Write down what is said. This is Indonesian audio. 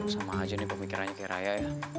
sama aja nih pemikirannya kayak rayo ya